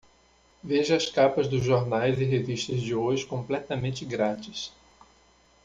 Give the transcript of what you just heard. Veja as capas dos jornais e revistas de hoje completamente grátis.